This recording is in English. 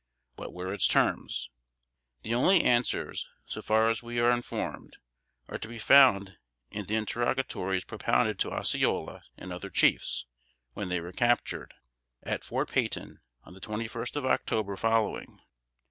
What were its terms? The only answers, so far as we are informed, are to be found in the interrogatories propounded to Osceola and other chiefs, when they were captured, at Fort Peyton, on the twenty first of October following.